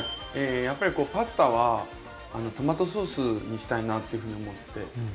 やっぱりパスタはトマトソースにしたいなというふうに思って。